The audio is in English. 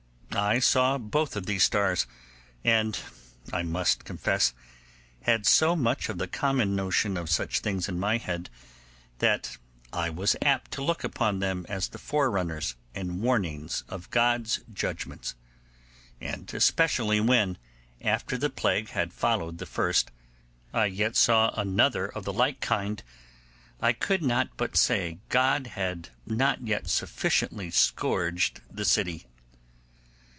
I saw both these stars, and, I must confess, had so much of the common notion of such things in my head, that I was apt to look upon them as the forerunners and warnings of God's judgements; and especially when, after the plague had followed the first, I yet saw another of the like kind, I could not but say God had not yet sufficiently scourged the city.